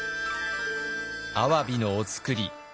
アワビのお造り